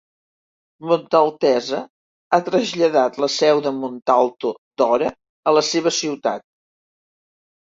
Montaltese ha traslladat la seu de Montalto Dora a la seva ciutat.